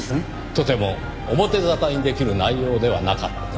とても表沙汰にできる内容ではなかった。